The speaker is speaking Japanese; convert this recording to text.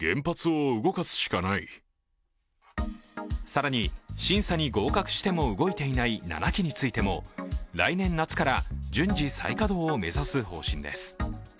更に、審査に合格しても動いていない７基についても来年夏から順次再稼働を目指す方針です。